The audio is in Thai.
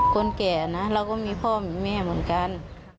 คนแก่นะเราก็มีพ่อมีแม่เหมือนกัน